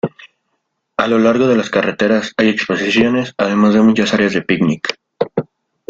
A lo largo de las carreteras, hay exposiciones además de muchas áreas de picnic.